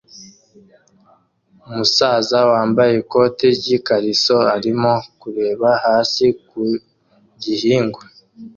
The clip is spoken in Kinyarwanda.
Umusaza wambaye ikoti ryikariso arimo kureba hasi ku gihingwa